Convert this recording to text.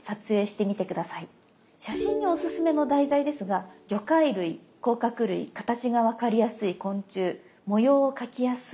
写真にオススメの題材ですが魚介類甲殻類形がわかりやすい昆虫模様を描きやすいは虫類